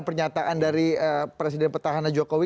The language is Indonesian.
pernyataan dari presiden petahana jokowi